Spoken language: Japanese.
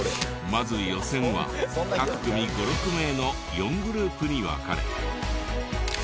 まず予選は各組５６名の４グループに分かれ総当たり戦。